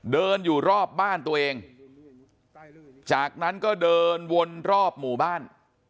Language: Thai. เดินอยู่รอบบ้านตัวเองจากนั้นก็เดินวนรอบหมู่บ้าน